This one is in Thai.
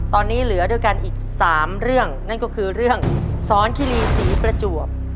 ตอนนี้เหลือด้วยกันอีก๓เรื่องนั่นก็คือเรื่องสอนคิรีศรีประจวบ